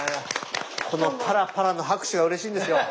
このパラパラの拍手がうれしいんですよ。